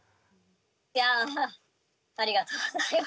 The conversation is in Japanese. いやぁありがとうございます。